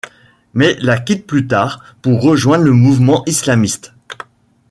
Mais la quitte plus tard pour rejoindre le mouvement islamiste.